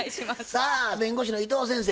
さあ弁護士の伊藤先生